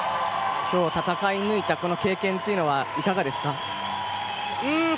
今日戦い抜いた経験というのはいかがですか？